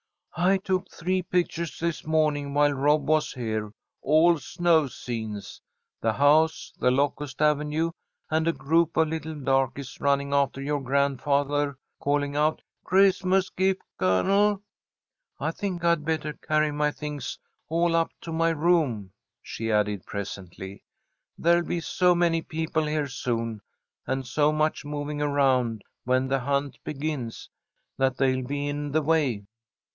"I took three pictures this morning while Rob was here, all snow scenes. The house, the locust avenue, and a group of little darkies running after your grandfather, calling out, 'Chris'mus gif', Colonel!' I think I'd better carry my things all up to my room," she added, presently. "There'll be so many people here soon, and so much moving around when the hunt begins, that they'll be in the way."